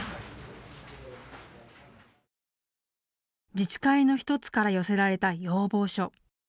自治会の１つから寄せられた要望書。